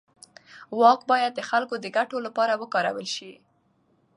واک باید د خلکو د ګټو لپاره وکارول شي.